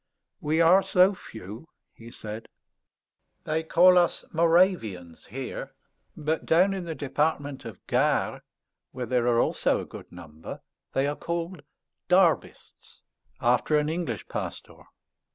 "We are so few," he said. "They call us Moravians here; but down in the Department of Gard, where there are also a good number, they are called Derbists, after an English pastor."